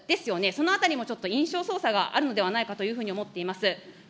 そのあたりもちょっと印象操作があるのではないかというふうに思っています。